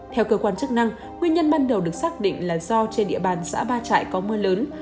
theo cơ quan chức năng nguyên nhân ban đầu được xác định là do trên địa bàn xã ba trại có mưa lớn